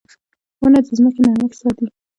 • ونه د ځمکې نرمښت ساتي.